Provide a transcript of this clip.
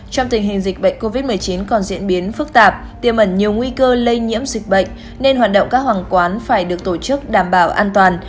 trong tình hình dịch bệnh covid một mươi chín còn diễn biến phức tạp tiêm ẩn nhiều nguy cơ lây nhiễm dịch bệnh nên hoạt động các hàng quán phải được tổ chức đảm bảo an toàn